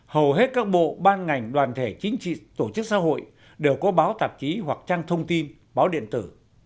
hầu hết các bộ ban ngành đoàn thể chính trị tổ chức xã hội đều có báo tạp chí hoặc trang thông tin báo điện tử